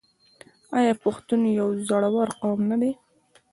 آیا پښتون یو زړور قوم نه دی؟